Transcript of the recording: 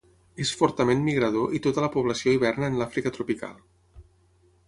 És fortament migrador i tota la població hiverna en l'Àfrica tropical.